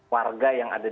warga yang ada